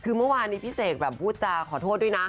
คือเมื่อวานนี้พี่เสกแบบพูดจาขอโทษด้วยนะ